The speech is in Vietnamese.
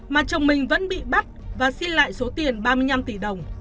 mà chồng mình vẫn bị bắt và xin lại số tiền ba mươi năm tỷ đồng